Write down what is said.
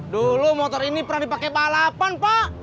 dulu motor ini pernah dipakai balapan pak